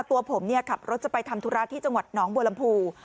ตัวผมขับรถจะไปทำธุระที่จังหวัดหนองบัวลำพู